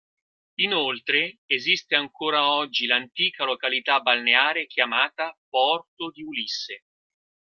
Inoltre esiste ancora oggi l'antica località balneare chiamata "Porto di Ulisse".